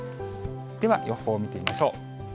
では、予報を見てみましょう。